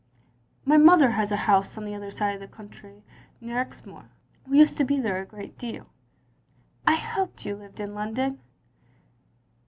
"My mother has a house on the other siae of the county, near Exmoor. We used to be there a great deal." " I hoped you lived in London.